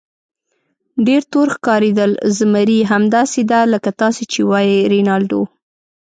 ډېر تور ښکارېدل، زمري: همداسې ده لکه تاسې چې وایئ رینالډو.